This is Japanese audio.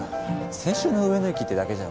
先週の上野駅ってだけじゃ。